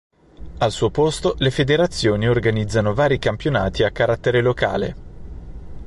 Al suo posto le Federazioni organizzano vari campionati a carattere locale.